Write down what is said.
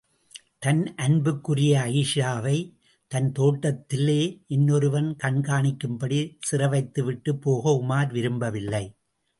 தன் அன்புக்குரிய அயீஷாவைத் தன் தோட்டத்திலே, இன்னொருவன் கண்காணிக்கும்படி சிறைவைத்து விட்டுப் போக உமார் விரும்பவில்லை.